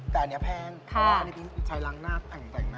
แต่อันนี้แพงเพราะว่าในปีนใช้ล้างหน้าแต่งหน้า